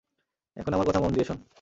এখন আমার কথা মন দিয়ে শোন।